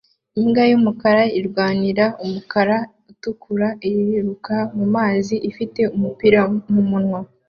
Imbwa yumukara irwanira umukara utukura iriruka mumazi ifite umupira mumunwa